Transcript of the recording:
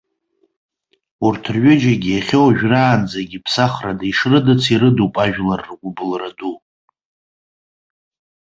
Урҭ рҩыџьагьы иахьауажәыраанӡагьы ԥсахрада ишрыдыц ирыдуп ажәлар ргәыбылра ду.